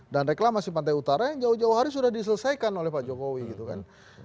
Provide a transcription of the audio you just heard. dan reklamasi pantai utara yang jauh jauh hari sudah diselesaikan oleh pak jokowi gitu kan